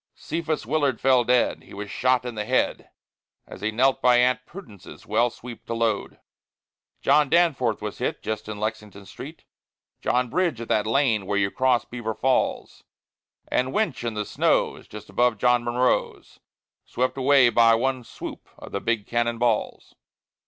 Cephas Willard fell dead; he was shot in the head As he knelt by Aunt Prudence's well sweep to load. John Danforth was hit just in Lexington Street, John Bridge at that lane where you cross Beaver Falls, And Winch and the Snows just above John Munroe's, Swept away by one swoop of the big cannon balls.